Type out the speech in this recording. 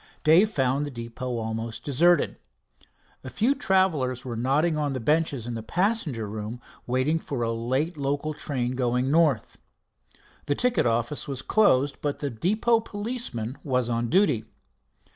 Dave found the depot almost deserted. A few travelers were nodding on the benches in the passengers room, waiting for a late local train going north. The ticket office was closed, but the depot policeman was on duty.